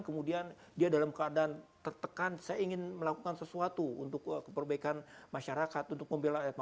kemudian dia dalam keadaan tertekan saya ingin melakukan sesuatu untuk keperbaikan masyarakat untuk membela